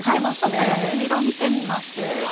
ちょっと焼き色見てみます。